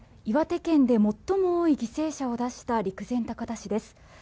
岩手県で最も多い犠牲者を出した陸前高田市です。